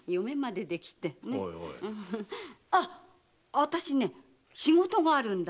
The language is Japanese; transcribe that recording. あたし仕事があるんだ。